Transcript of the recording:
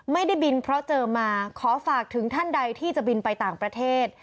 ไม่ได้บินเพราะเจอมาขอฝากถึงท่านใดที่จะบินไปต่างประเทศ